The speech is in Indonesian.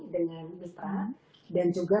dengan lutra dan juga